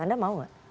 anda mau gak